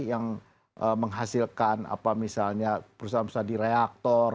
yang menghasilkan apa misalnya perusahaan perusahaan di reaktor